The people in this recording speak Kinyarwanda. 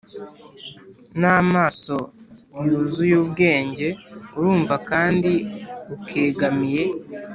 n'amaso yuzuye ubwenge urumva kandi ukegamiye,